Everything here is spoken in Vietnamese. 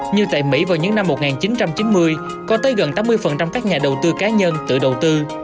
như tại mỹ vào những năm một nghìn chín trăm chín mươi có tới gần tám mươi các nhà đầu tư cá nhân tự đầu tư